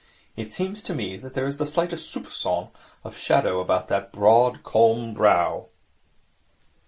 It seems to me that there is the slightest soupcon of shadow about that broad, calm brow.'